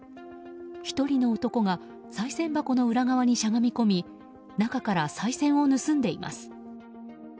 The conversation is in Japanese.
１人の男がさい銭箱の裏側にしゃがみ込み中からさい銭を盗んでいます。